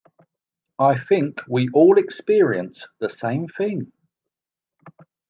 I think we all experience the same thing.